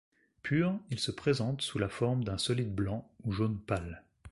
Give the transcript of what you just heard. Pur, il se présente sous la forme d'un solide blanc ou jaune pâle.